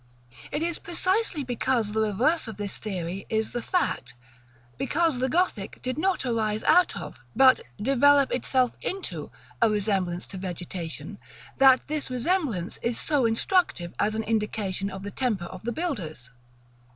It is precisely because the reverse of this theory is the fact, because the Gothic did not arise out of, but develope itself into, a resemblance to vegetation, that this resemblance is so instructive as an indication of the temper of the builders.